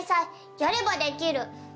やればできる！